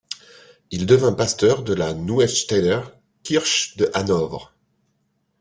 Il devient pasteur de la Neustädter Kirche de Hanovre.